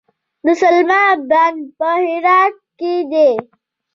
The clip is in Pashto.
د سلما بند په هرات کې دی